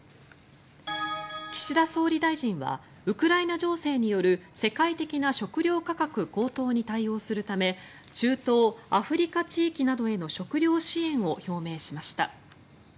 岸田総理大臣はウクライナ情勢による世界的な食料価格高騰に対応するため中東・アフリカ地域などへの食料支援を表明しました。